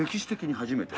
初めて。